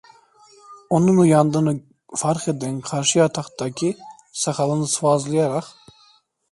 Onun uyandığını fark eden karşı yataktaki, sakalını sıvazlayarak: